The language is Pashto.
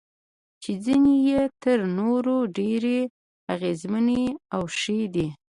چې ځینې یې تر نورو ډېرې اغیزمنې او ښې دي.